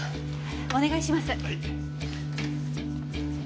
お願いします。